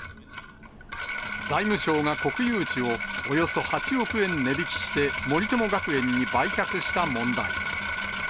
財務省が国有地をおよそ８億円値引きして森友学園に売却した問題。